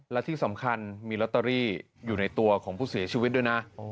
และที่สำคัญมีลอตเตอรี่อยู่ในตัวของผู้เสียชีวิตด้วยนะ